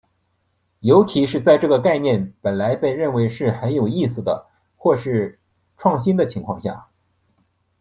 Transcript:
尤其在这个概念本来被认为是很有意思的或是创新的情况下。